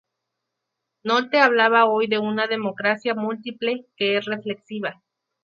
Nolte habla hoy de una "Democracia múltiple", que es reflexiva.